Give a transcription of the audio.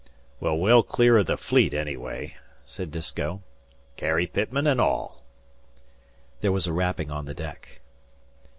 "We're well clear o' the Fleet, anyway," said Disko. "Carrie Pitman an' all." There was a rapping on the deck.